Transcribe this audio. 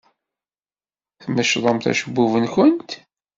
Tmecḍemt acebbub-nwent?